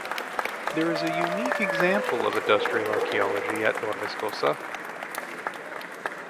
There is a unique example of industrial archaeology at Torviscosa.